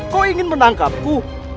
kau ingin menangkapku